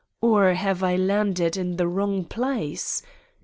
Or have I landed in the wrong place?